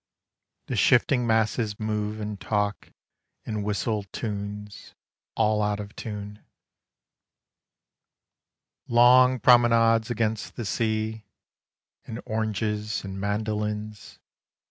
The shifting masses move and talk And whistle tunes all out of tune. Long promenades against the sea, And oranges and mandolines !